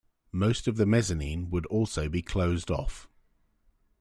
Most of the mezzanine would also be closed off.